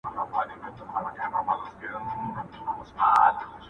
د میني مخ د وینو رنګ پرېولی!.